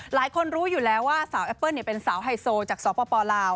หลายคนรู้อยู่แล้วว่าสาวแอปเปิ้ลเป็นสาวไฮโซจากสปลาว